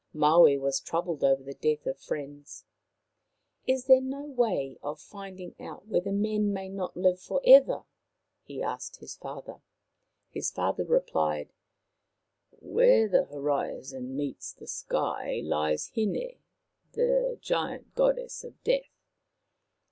Maui was troubled over the death of friends. " Is there no way of finding out whether men may not live for ever ?" he asked his father. His father replied: " Where the horizon meets the sky lies Hin6, the giant Goddess of Death.